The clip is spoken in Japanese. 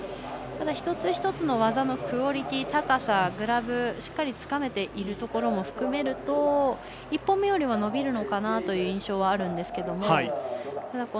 一つ一つの技のクオリティー高さ、グラブしっかりつかめているところも含めると１本目よりも伸びるのかなという印象はあるんですが。